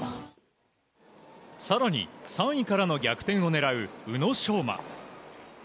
さらに、３位からの逆転を狙う宇野昌磨。